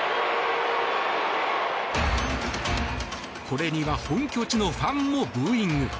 これには本拠地のファンもブーイング。